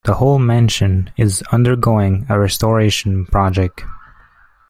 The whole mansion is undergoing a restoration project.